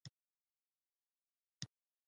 وه هلکه!